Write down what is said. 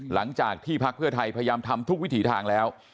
หลังจากที่พักเพื่อไทยพยายามทำทุกวิถีทางแล้ว